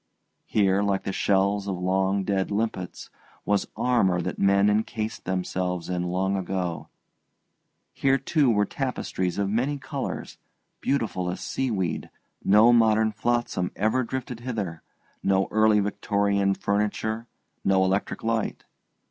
Here, like the shells of long dead limpets, was armour that men encased themselves in long ago; here, too, were tapestries of many colours, beautiful as seaweed; no modern flotsam ever drifted hither, no early Victorian furniture, no electric light.